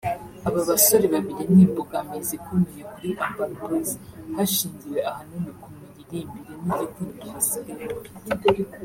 Aba basore babiri ni imbogamizi ikomeye kuri Urban Boyz hashingiwe ahanini ku miririmbire n’igikundiro basigaye bafite